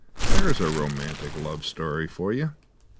There's a romantic love story for you.